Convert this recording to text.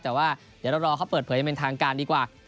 แต่ว่าเดี๋ยวเรารอเขาเปิดเผยยังเป็นทางการดีกว่า